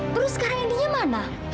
berus sekarang indinya mana